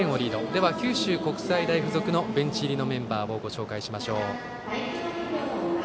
では、九州国際大付属のベンチ入りメンバーご紹介します。